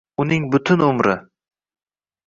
Uning butun umri